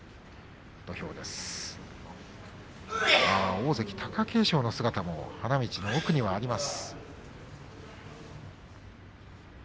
大関貴景勝の姿も花道の奥にはあります。